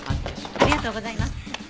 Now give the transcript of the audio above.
ありがとうございます。